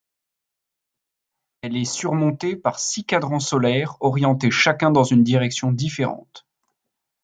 Elle est surmontée par six cadrans solaires orientés chacun dans une direction différente.